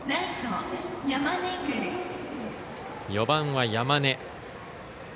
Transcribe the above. ４番は山根。